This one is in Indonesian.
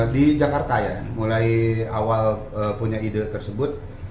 di jakarta ya mulai awal punya ide tersebut